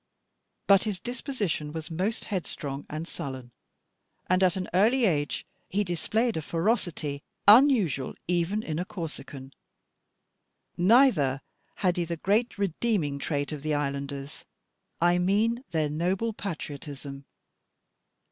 But his disposition was most headstrong and sullen; and at an early age he displayed a ferocity unusual even in a Corsican. Neither had he the great redeeming trait of the islanders, I mean their noble patriotism.